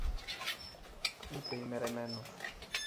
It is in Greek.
είπε ημερεμένος.